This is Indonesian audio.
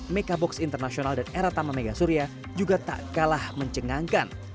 mekabox internasional dan eratama megasuria juga tak kalah mencengangkan